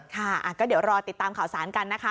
ค่ะก็เดี๋ยวรอติดตามข่าวสารกันนะคะ